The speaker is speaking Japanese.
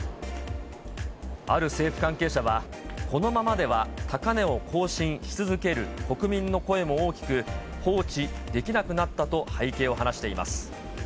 ある政府関係者は、このままでは高値を更新し続ける、国民の声も大きく、放置できなくなったと背景を話しています。